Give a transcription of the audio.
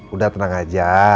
udah tenang aja